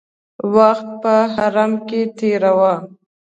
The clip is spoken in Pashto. وخت په حرم کې تېراوه.